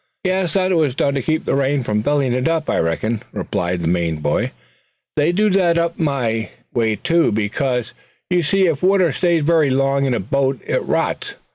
"Yes, that was done to keep the rain from filling it, I reckoned," replied the Maine boy. "They do that up my way too; because you see, if water stays very long in a boat it rots it.